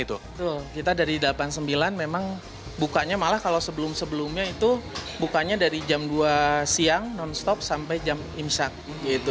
tuh kita dari delapan puluh sembilan memang bukanya malah kalau sebelum sebelumnya itu bukanya dari jam dua siang nonstop sampai jam delapan gitu